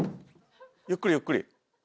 ゆっくりゆっくり。